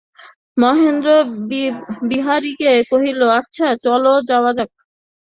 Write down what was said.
মহেন্দ্র বিহারীকে কহিল, আচ্ছা চলো, যাওয়া যাক।